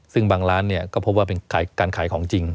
ซึ่งบางร้านเนี่ยก็พบว่าเป็นการขายของจริง